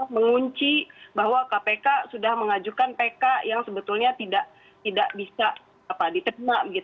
mengunci bahwa kpk sudah mengajukan pk yang sebetulnya tidak bisa diterima